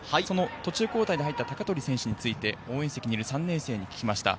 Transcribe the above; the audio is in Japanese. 途中交代で入った鷹取選手について、応援席にいる３年生に聞きました。